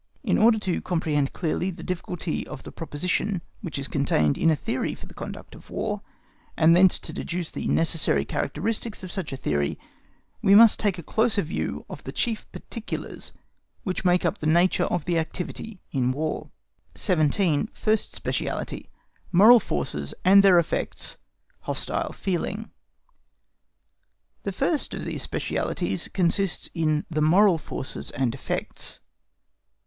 In order to comprehend clearly the difficulty of the proposition which is contained in a theory for the conduct of War, and thence to deduce the necessary characteristics of such a theory, we must take a closer view of the chief particulars which make up the nature of activity in War. 17. FIRST SPECIALITY.—MORAL FORCES AND THEIR EFFECTS. (HOSTILE FEELING.) The first of these specialities consists in the moral forces and effects.